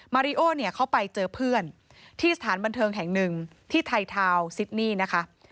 ริโอเนี่ยเขาไปเจอเพื่อนที่สถานบันเทิงแห่งหนึ่งที่ไทยทาวน์ซิดนี่นะคะ